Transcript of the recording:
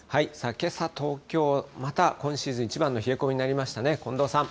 けさ、東京、また今シーズン一番の冷え込みになりましたね、近藤さん。